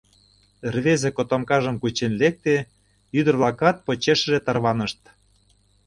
Рвезе котомкажым кучен лекте, ӱдыр-влакат почешыже тарванышт.